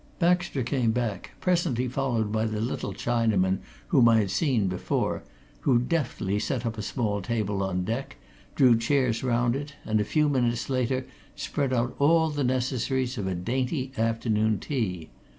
Baxter came back, presently followed by the little Chinaman whom I had seen before, who deftly set up a small table on deck, drew chairs round it, and a few minutes later spread out all the necessaries of a dainty afternoon tea.